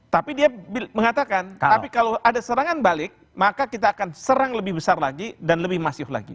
tapi dia mengatakan tapi kalau ada serangan balik maka kita akan serang lebih besar lagi dan lebih masif lagi